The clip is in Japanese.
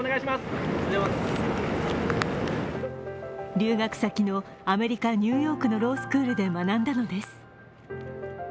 留学先のアメリカニューヨークのロースクールで学んだのです。